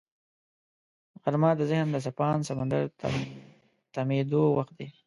غرمه د ذهن د څپاند سمندر تمېدو وخت دی